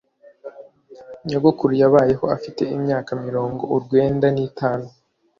Nyogokuru yabayeho afite imyaka mirongo urwenda n'itanu.